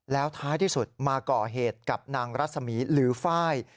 แล้วท้ายที่สุดมาก่อเหตุกับนางรัศมีร์หรือไฟล์